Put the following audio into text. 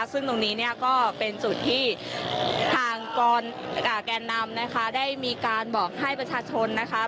ซึ่งตรงนี้ก็เป็นจุดที่ทางกรการนำได้มีการบอกให้ประชาชนนะคะ